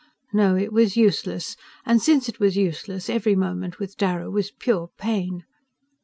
No, it was useless; and since it was useless, every moment with Darrow was pure pain...